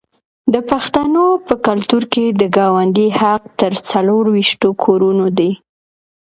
د پښتنو په کلتور کې د ګاونډي حق تر څلوېښتو کورونو دی.